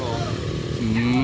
belum mereka remblong